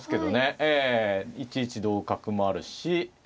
１一同角もあるし。